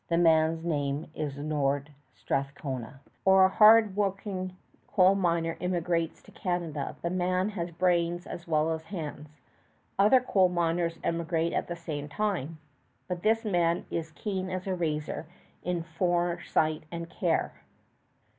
The man's name is Lord Strathcona. Or a hard working coal miner emigrates to Canada. The man has brains as well as hands. Other coal miners emigrate at the same time, but this man is as keen as a razor in foresight and care.